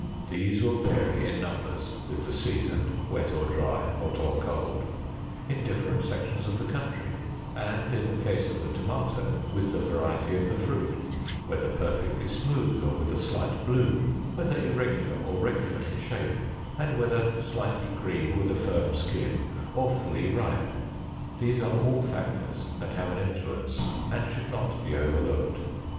These will vary in numbers with the season, wet or dry, hot or cold, in different sections of the country, and, in the case of the tomato, with the variety of the fruit; whether perfectly smooth or with a slight bloom; whether irregular or regular in shape; and whether slightly green with a firm skin or fully ripe. These are all factors that have an influence and should not be overlooked.